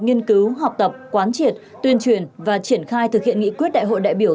nghiên cứu học tập quán triệt tuyên truyền và triển khai thực hiện nghị quyết đại hội đại biểu